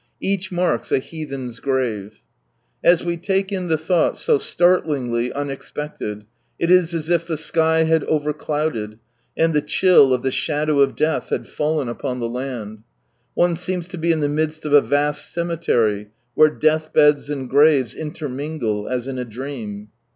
Each marks a heathen's grave. As we take in the thought, so startlingly unexpected, it is as if the sky had over clouded, and the chili of the shadow of death had fallen upon the land. One seems to be in the midst of a vast cemetery, where death beds and graves inter mingle as in a dream.